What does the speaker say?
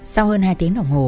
sau hơn hai tiếng đồng hồ